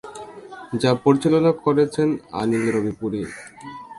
যা পরিচালনা করছেন অনিল রবিপুড়ি।